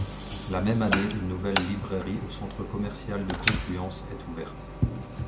La même année, une nouvelle librairie au centre commercial de Confluence est ouverte.